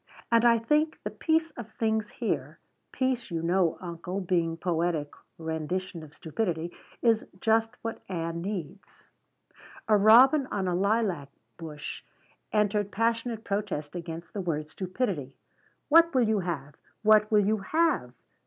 and I think the peace of things here peace you know, uncle, being poetic rendition of stupidity is just what Ann needs." A robin on a lilac bush entered passionate protest against the word stupidity. "What will you have? What will you have?"